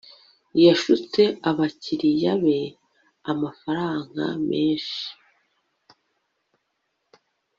yashutse abakiriya be amafaranga menshi